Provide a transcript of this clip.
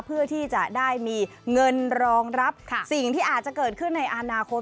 เพื่อที่จะได้มีเงินรองรับสิ่งที่อาจจะเกิดขึ้นในอนาคต